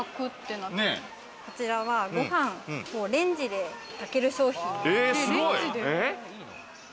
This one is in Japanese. こちらはご飯をレンジで炊ける商品。